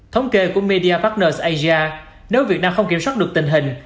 thống kê của media partners asia nếu việt nam không kiểm soát được tình hình